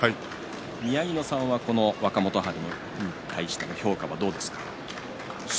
宮城野さんは若元春に対して評価はどうですか？